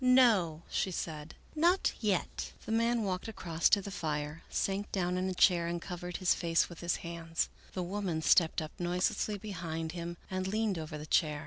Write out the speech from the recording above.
" No," she said, " not yet." The man walked across to the fire, sank down in a chair, and covered his face with his hands. The woman stepped up noiselessly behind him and leaned over the chair.